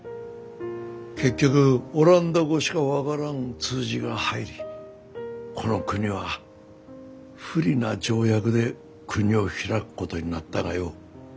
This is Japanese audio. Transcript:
結局オランダ語しか分からん通詞が入りこの国は不利な条約で国を開くことになったがよ。